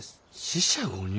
四捨五入？